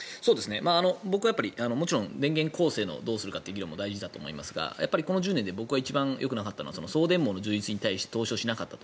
僕はもちろん電源構成をどうするかという議論も大事だと思いますがこの１０年で一番よくなかったのは送電網の充実に対して投資をしなかったと。